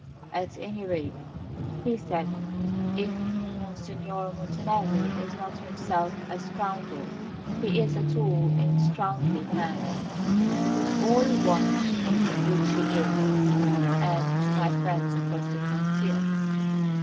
"At any rate," he said, "if Monsignor Montanelli is not himself a scoundrel, he is a tool in scoundrelly hands. It is all one to me which he is and to my friends across the frontier.